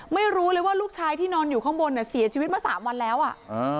ไม่รู้เลยว่าลูกชายที่นอนอยู่ข้างบนเนี่ยเสียชีวิตมาสามวันแล้วอ่ะอ่า